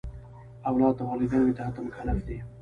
اولاد د والدینو اطاعت ته مکلف دی.